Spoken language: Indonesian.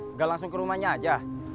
nggak langsung ke rumahnya aja